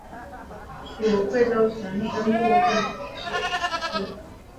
属贵州承宣布政使司。